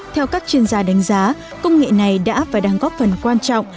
theo các chuyên gia đánh giá công nghệ này đã và đang góp phần quan trọng